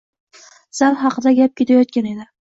Zal haqida gap ketyotgan edi!